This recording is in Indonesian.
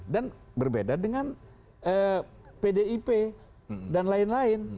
dan berbeda dengan pdip dan lain lain